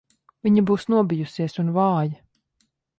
Viņa būs nobijusies un vāja.